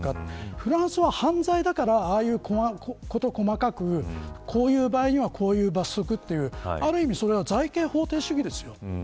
フランスは犯罪だから、ああいう事細かくこういう場合にはこういう罰則という、ある意味それは罪刑法定主義ですよ。